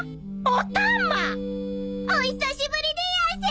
お久しぶりでやんす！